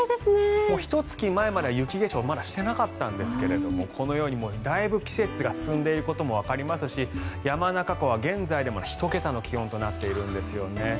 ひと月前までは雪化粧まだしてなかったんですがこのように、だいぶ季節が進んでいることもわかりますし山中湖は現在、１桁の気温となっているんです。